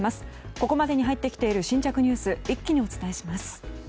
ここまでに入ってきている新着ニュース一気にお伝えします。